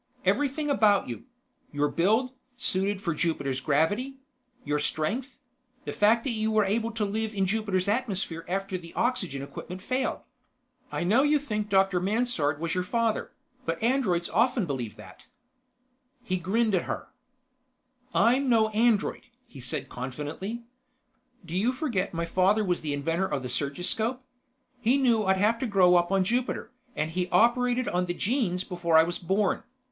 "Everything about you ... your build, suited for Jupiter's gravity ... your strength ... the fact that you were able to live in Jupiter's atmosphere after the oxygen equipment failed. I know you think Dr. Mansard was your father, but androids often believe that." He grinned at her. "I'm no android," he said confidently. "Do you forget my father was inventor of the surgiscope? He knew I'd have to grow up on Jupiter, and he operated on the genes before I was born.